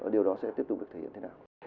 điều đó sẽ tiếp tục được thể hiện thế nào